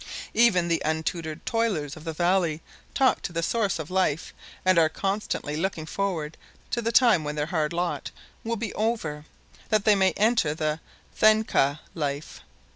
Even the untutored toilers of the valleys talk to the Source of Life and are constantly looking forward to the time when their hard lot will be over that they may enter the Then ka life.